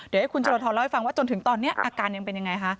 เดี๋ยวให้คุณจรทรเล่าให้ฟังว่าจนถึงตอนนี้อาการยังเป็นยังไงคะ